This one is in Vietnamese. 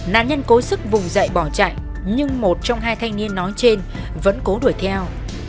nạn nhân cố sức vùng dậy bỏ chạy nhưng một trong hai thanh niên nói trên vẫn cố đuổi theo